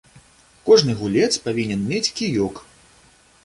Кожны гулец павінен мець кіёк.